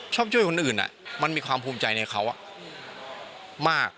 ชอบช่วยคนอื่นมันมีความภูมิใจในเขามาก